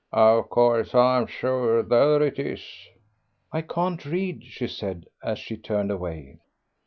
"Of course I'm sure, there it is." "I can't read," she said as she turned away.